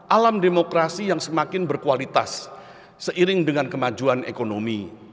alam demokrasi yang semakin berkualitas seiring dengan kemajuan ekonomi